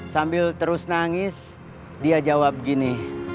sambil terus nangis dia jawab gini